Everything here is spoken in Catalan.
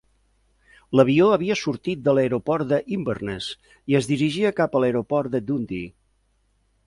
L'avió havia sortit de l'aeroport d'Inverness i es dirigia cap a l'aeroport de Dundee.